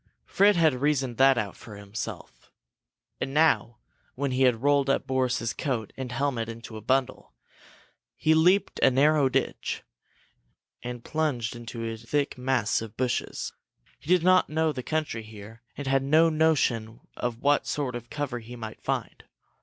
Fred had reasoned that out for himself. And now, when he had rolled up Boris's coat and helmet into a bundle, he leaped a narrow ditch and plunged into a thick mass of bushes. He did not know the country here, and had no notion of what sort of cover he might find.